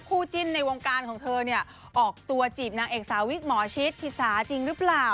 คู่จิ้นในวงการของเธอเนี่ยออกตัวจีบนางเอกสาววิกหมอชิดธิสาจริงหรือเปล่า